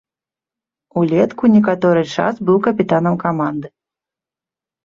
Улетку некаторы час быў капітанам каманды.